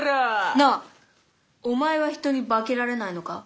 なあお前は人に化けられないのか？